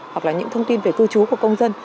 hoặc là những thông tin về cư trú của công dân